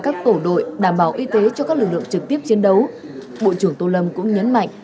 các tổ đội đảm bảo y tế cho các lực lượng trực tiếp chiến đấu bộ trưởng tô lâm cũng nhấn mạnh